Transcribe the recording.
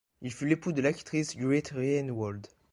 Il fut l'époux de l'actrice Grete Reinwald.